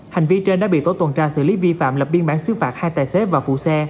hành vi trên đã bị tổ tuần tra xử lý vi phạm lập biên bản xứ phạt hai tài xế và phụ xe